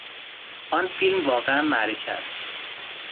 آن فیلم واقعا معرکه است.